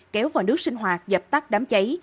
kéo vào nước sinh hoạt dập tắt đám cháy